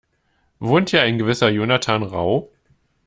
Wohnt hier ein gewisser Jonathan Rau?